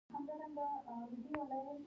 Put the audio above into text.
زه د سندرو البوم اورم.